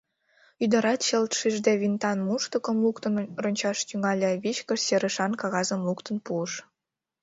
Ӱдырат чылт шижде винтан муштукым луктын рончаш тӱҥале, вичкыж серышан кагазым луктын пуыш...